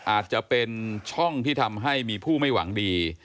อาจจะเป็นช่องที่ทำให้มีผู้ไม่หวังดี